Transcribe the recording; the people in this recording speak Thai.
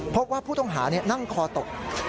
พบว่าผู้ต้องหานั่งคอตก